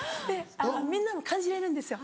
みんなも感じれるんですよ。